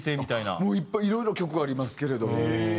もういっぱいいろいろ曲ありますけれども。